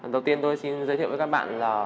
đầu tiên tôi xin giới thiệu với các bạn là